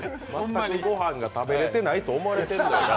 全くご飯が食べられてないと、思われてるんだな。